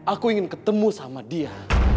aku ingin ketemu sama dia